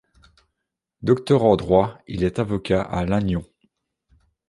Docteur en droit, il est avocat à Lannion.